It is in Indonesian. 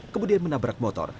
kemudian menabrak motor